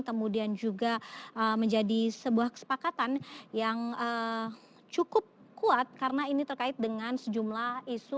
kemudian juga menjadi sebuah kesepakatan yang cukup kuat karena ini terkait dengan sejumlah isu